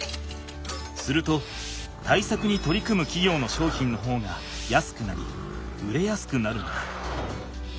すると対策に取り組むきぎょうの商品の方が安くなり売れやすくなるのだ。